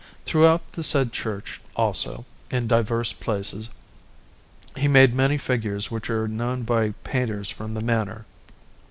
Throughout the said church, also, in diverse places, he made many figures which are known by painters from the manner.